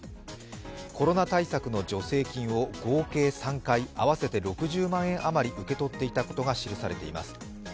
コロナ対策の助成金を合計３回、合わせて６０万円余り受け取っていたことが記されています。